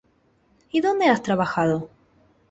¿y dónde has trabajado?